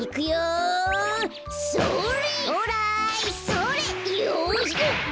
よし。